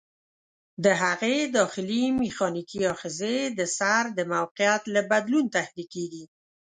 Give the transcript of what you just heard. د هغې داخلي میخانیکي آخذې د سر د موقعیت له بدلون تحریکېږي.